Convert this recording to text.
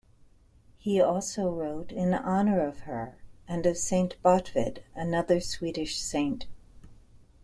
He also wrote in honour of her and of Saint Botvid, another Swedish saint.